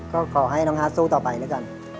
ก็ขอให้น้องฮาร์ดสู้ต่อไปแล้วกัน